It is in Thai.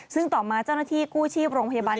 ซึ่งต่อมาเจ้าหน้าที่กู้ชีพโรงพยาบาล